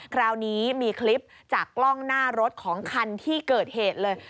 คราวนี้มีคลิปจากกล้องหน้ารถของคันที่เกิดเหตุเลย